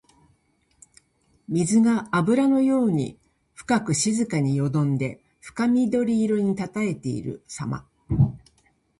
水があぶらのように深く静かによどんで深緑色にたたえているさま。